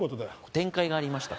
展開がありました